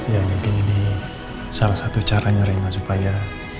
ya mungkin ini salah satu cara nyeringan supaya